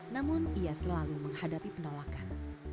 namun ia selalu menghadapi penolakan